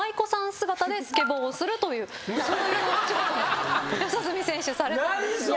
姿でスケボーをするというそういうお仕事も四十住選手されたんですよね。